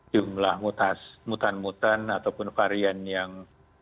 jumlah mutan mutan ataupun varian yang